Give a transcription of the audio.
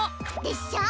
でっしょ。